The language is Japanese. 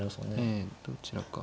どちらか。